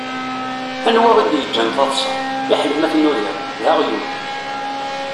Anwa i d-yeǧǧan taḍsa? Fiḥel ma tnudam: D aɣyul.